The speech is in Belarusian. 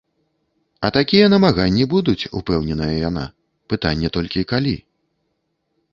А такія намаганні будуць, упэўненая яна, пытанне толькі, калі.